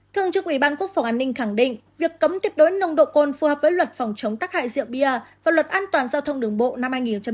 thường trực ủy ban quốc phòng an ninh khẳng định việc cấm tuyệt đối nông độ côn phù hợp với luật phòng chống tắc hại rượu bia và luật an toàn giao thông đường bộ năm hai nghìn tám